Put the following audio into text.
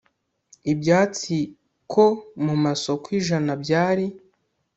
ibyatsi ko mu masoko ijana byari